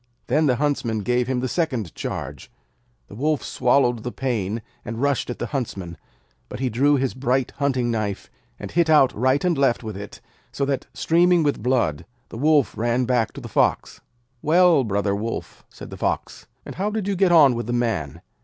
Then the Huntsman gave him the second charge. The Wolf swallowed the pain, and rushed at the Huntsman; but he drew his bright hunting knife, and hit out right and left with it, so that, streaming with blood, the Wolf ran back to the Fox. 'Well, brother Wolf,' said the Fox, 'and how did you get on with the Man?'